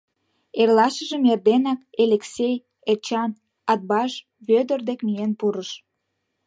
Эрлашыжым эрденак Элексей Эчан Атбаш Вӧдыр дек миен пурыш.